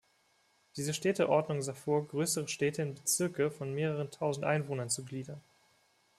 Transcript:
Diese Städteordnung sah vor, größere Städte in "Bezirke" von mehreren Tausend Einwohnern zu gliedern.